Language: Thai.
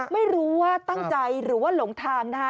ไม่รู้ว่าตั้งใจหรือว่าหลงทางนะคะ